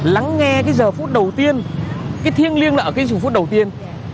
lắng nghe cái giờ phút đầu tiên cái thiêng liêng lợi cái giờ phút đầu tiên